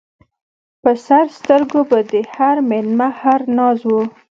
پر سر سترګو به د هر مېلمه هر ناز و